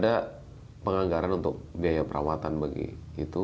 ada penganggaran untuk biaya perawatan bagi itu